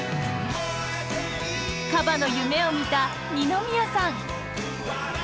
カバの夢を見た二宮さん。